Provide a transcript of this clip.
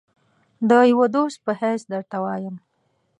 د یوه دوست په حیث درته وایم.